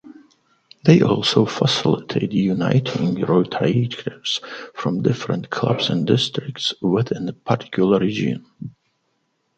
They also facilitate uniting Rotaractors from different clubs and districts within a particular region.